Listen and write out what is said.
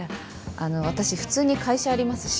あの私普通に会社ありますし。